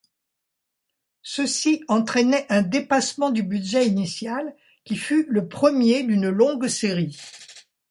Ceci entraînait un dépassement du budget initial, qui fut le premier d'une longue série.